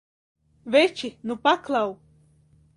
Veči, nu paklau!